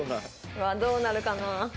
うわっどうなるかな？